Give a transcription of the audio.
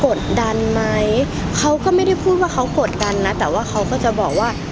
กดดันไหมเขาก็ไม่ได้พูดว่าเขากดดันนะแต่ว่าเขาก็จะบอกว่า